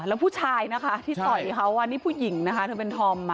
แล้วผู้ชายนะคะที่ต่อยเขานี่ผู้หญิงนะคะเธอเป็นธอม